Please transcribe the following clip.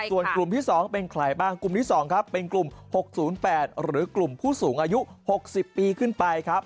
ส่วนกลุ่มที่๒เป็นใครบ้างกลุ่มที่๒ครับเป็นกลุ่ม๖๐๘หรือกลุ่มผู้สูงอายุ๖๐ปีขึ้นไปครับ